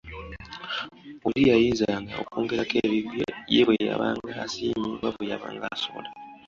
Oli yayinzanga okwongerako ebibye ye bwe yabanga asiimye oba bwe yabanga asobola.